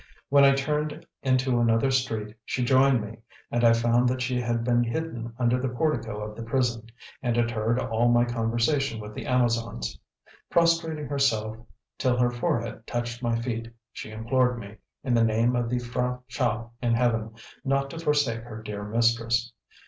When I turned into another street she joined me, and I found that she had been hidden under the portico of the prison, and had heard all my conversation with the Amazons. Prostrating herself till her forehead touched my feet, she implored me, in the name of the P'hra Chow in heaven, not to forsake her dear mistress.